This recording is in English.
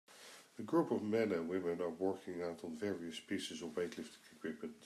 A group of men and women are working out on various pieces of weightlifting equipment.